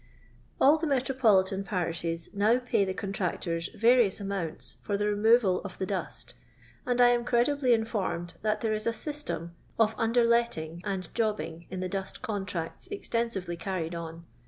All the metropolitan parishes now pay ihe contractors various amounts for the removal of the dust, and I am credibly informed that there is a system of underletting and jobbing in the dust contracts extensively carried on.